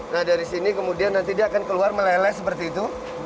nah dari sini kemudian nanti dia akan keluar meleleh seperti itu